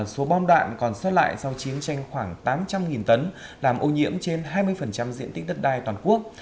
số bom đạn còn xót lại sau chiến tranh khoảng tám trăm linh tấn làm ô nhiễm trên hai mươi diện tích đất đai toàn quốc